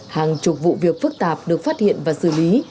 hàng chục vụ việc phức tạp được phát hiện và xử lý